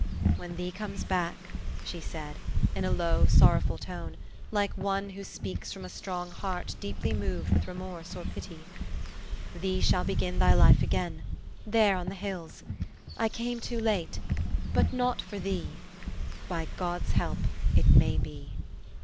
"When thee comes back," she said, in a low, sorrowful tone, like one who speaks from a strong heart deeply moved with remorse or pity, "thee shall begin thy life again, there on the hills. I came too late; but not for thee, by God's help, it may be."